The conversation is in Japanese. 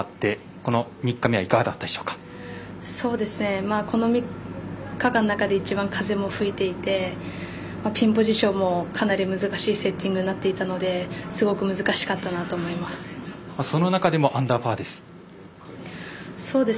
この３日間の中で一番風も吹いていてピンポジションもかなり難しいセッティングになっていたのでその中でも、アンダーパーです。